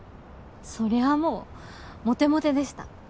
そりゃもうモテモテでした。